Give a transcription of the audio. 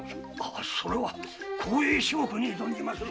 それは光栄至極に存じまする。